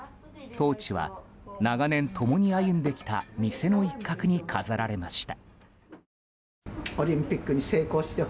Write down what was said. トーチは長年共に歩んできた店の一角に飾られました。